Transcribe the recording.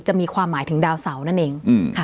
มีความหมายถึงดาวเสานั่นเอง